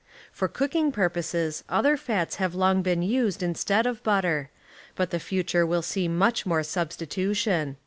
For cooking purposes other fats have long been used in stead of butter, but the future will see much more substitution.